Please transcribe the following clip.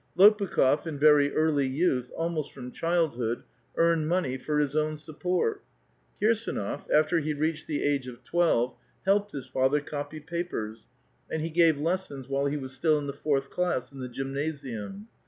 Lopukh6r, in very earh' youtli, almost; from childhood, earned mone}* for his own sup[)ort ; Kirs&jiQf^ after he reached the age of twelve, helped his fattier copy papers, and he gave lessons while he wafe still in the fourth class in the gymnasium.